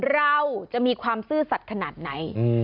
เราจะมีความซื่อสัตว์ขนาดไหน